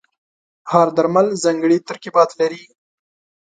هر درمل ځانګړي ترکیبات لري.